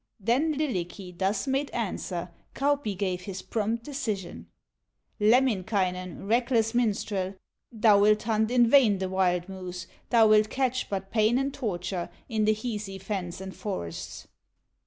Then Lylikki thus made answer, Kauppi gave this prompt decision: "Lemminkainen, reckless minstrel, Thou wilt hunt in vain the wild moose, Thou wilt catch but pain and torture, In the Hisi fens and forests."